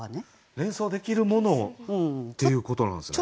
連想できるものをっていうことなんですね。